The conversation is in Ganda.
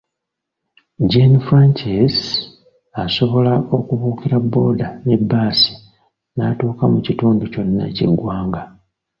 Jane Frances asobola okubuukira booda ne bbaasi n'atuuka mu kitundu kyonna eky’eggwanga.